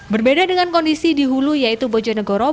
berbeda dengan kondisi di hulu yaitu bojonegoro